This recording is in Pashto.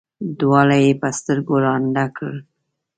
دواړه یې په سترګو ړانده کړل.